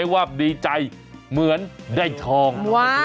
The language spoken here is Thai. ว่าดีใจเหมือนได้ทอง